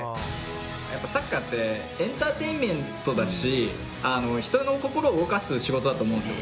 やっぱサッカーってエンターテインメントだし人の心を動かす仕事だと思うんですよ